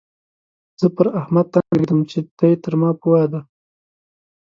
زه پر احمد تن اېږدم چې دی تر ما پوه دی.